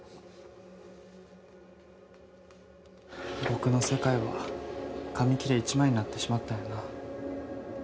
僕の世界は紙切れ１枚になってしまったんやな。